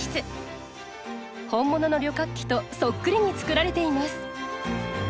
本物の旅客機とそっくりに作られています。